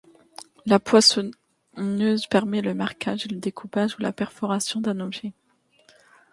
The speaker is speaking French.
La poinçonneuse permet le marquage, le découpage ou la perforation d'un objet.